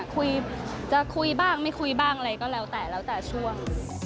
คุยจะคุยบ้างไม่คุยบ้างก็แล้วแต่ช่วง